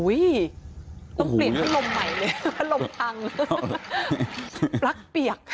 ต้องเปลี่ยนพัดลมใหม่เลยพัดลมพังปลั๊กเปียก